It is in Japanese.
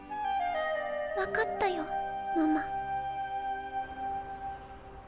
分かったよママ。